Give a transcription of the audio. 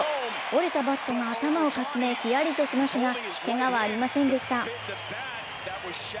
折れたバットが頭をかすめ、ヒヤリとさせますが、けがはありませんでした。